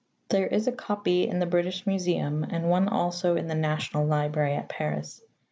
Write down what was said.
There is a copy in the British Museum and one also in the National Library at Paris.